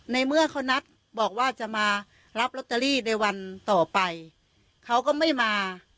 ในเมื่อเขานัดบอกว่าจะมารับลอตเตอรี่ในวันต่อไปเขาก็ไม่มา